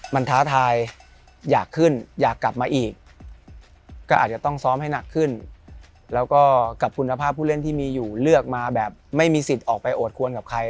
มันท้าทายอยากขึ้นอยากกลับมาอีกก็อาจจะต้องซ้อมให้หนักขึ้นแล้วก็กับคุณภาพผู้เล่นที่มีอยู่เลือกมาแบบไม่มีสิทธิ์ออกไปโอดควรกับใคร